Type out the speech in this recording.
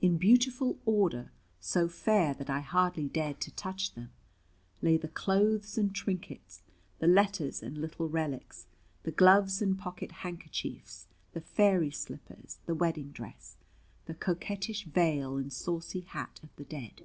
In beautiful order, so fair that I hardly dared to touch them, lay the clothes and trinkets, the letters and little relics, the gloves and pocket handkerchiefs, the fairy slippers, the wedding dress, the coquettish veil, and saucy hat of the dead.